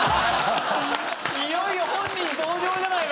いよいよ本人登場じゃないの。